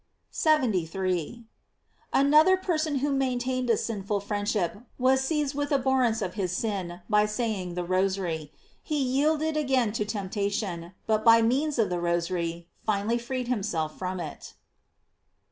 73. — Another person who maintained a sinful friendship was seized with abhorrence of his sin by saying the Rosary. He yielded again to temptation, but by means of the 'Rosary finally freed himself from it.